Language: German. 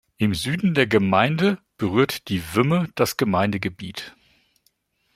Im Süden der Gemeinde berührt die Wümme das Gemeindegebiet.